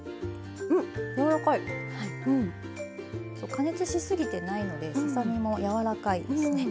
加熱し過ぎてないのでささ身も柔らかいですね。